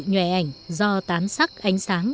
nhòe ảnh do tán sắc ánh sáng